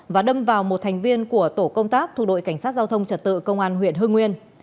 và đâm vào một thành viên của tổ công tác thuộc đội cảnh sát giao thông trật tự công an huyện hưng nguyên